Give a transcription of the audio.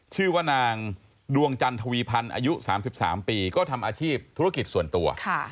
ชื่อว่านางดวงจันทวีพันธ์อายุ๓๓ปีก็ทำอาชีพธุรกิจส่วนตัว